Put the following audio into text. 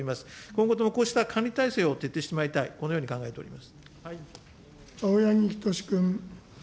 今後ともこうした管理体制を徹底してまいりたい、このように考え青柳仁士君。